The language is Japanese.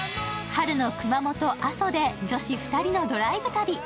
春の熊本・阿蘇で女子２人のドライブ旅。